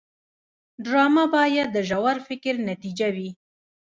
ډرامه باید د ژور فکر نتیجه وي